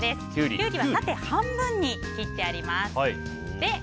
キュウリは縦半分に切ってあります。